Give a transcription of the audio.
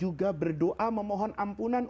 juga berdoa memohon ampunan